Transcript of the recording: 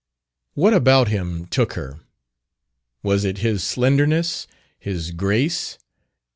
What about him "took" her? Was it his slenderness, his grace?